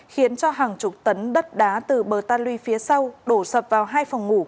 khiến cho hàng chục tấn đất đá từ bờ ta luy phía sau đổ sập vào hai phòng ngủ